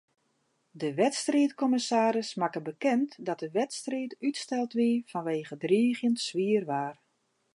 De wedstriidkommissaris makke bekend dat de wedstriid útsteld wie fanwege driigjend swier waar.